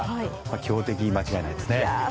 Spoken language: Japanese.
強敵に間違いないですね。